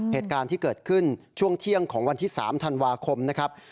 เหตุการณ์ที่เกิดขึ้นช่วงเที่ยงของวันที่๓ธันวาคมนะครับ